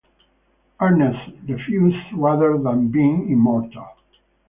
Ernest refuses rather than being immortal.